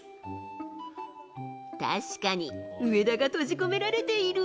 確かに上田が閉じ込められている。